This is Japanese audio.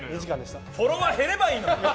フォロワー減ればいいのに！